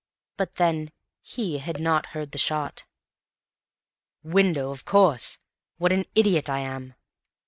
But then, he had not heard the shot. "Window—of course! What an idiot I am."